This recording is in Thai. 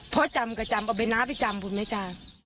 พ่อจำก็จำเอาไปน้าไปจำคุณไหมจ๊ะ